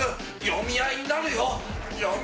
読み合いになるよ。